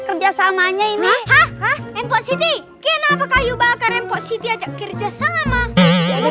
kerjasamanya ini hampa siti kenapa kayu bakar yang positi ajak kerjasama jadi